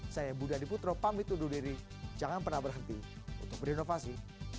saya budha diputro pamit undur diri jangan pernah berhenti untuk berinovasi